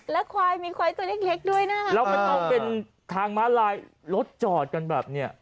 แล้วมันต้องเป็นทางมาลายรถจอดกันแบบนี้